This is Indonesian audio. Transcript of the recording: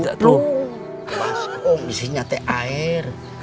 baskom isinya ada air